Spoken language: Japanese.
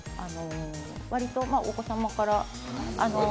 わりとお子様から。